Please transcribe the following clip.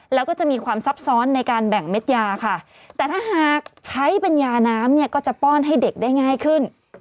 แล้วก็จะมีความซับซ้อนในการแบ่งเม็ดยาค่ะแต่ถ้าหากใช้เป็นยาน้ำเนี่ยก็จะป้อนให้เด็กได้ง่ายขึ้น